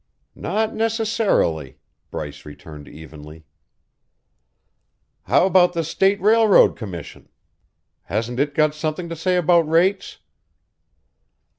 "Not necessarily," Bryce returned evenly. "How about the State railroad commission? Hasn't it got something to say about rates?"